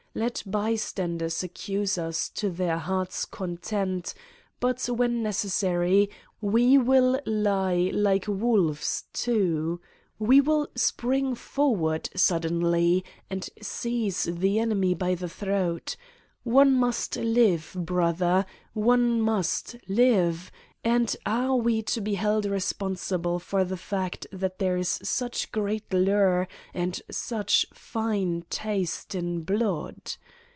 Let bystanders accuse us to their heart's content, but, when necessary, we will lie like wolves, too ! we will spring forward, sud denly, and seize the enemy by the throat : one must live, brother, one must live, and are we to be held responsible for the fact that there is such great lure and such fine taste in blood!